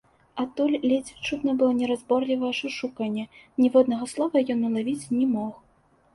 Адтуль ледзь чутна было неразборлівае шушуканне, ніводнага слова ён улавіць не мог.